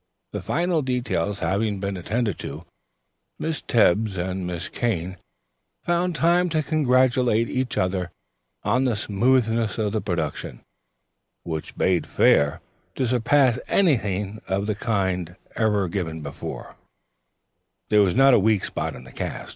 The final details having been attended to, Miss Tebbs and Miss Kane found time to congratulate each other on the smoothness of the production, which bade fair to surpass anything of the kind ever before given. There was not a weak spot in the cast.